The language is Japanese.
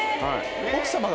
奥様が。